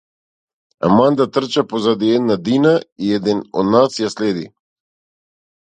Аманда трча позади една дина и еден од нас ја следи.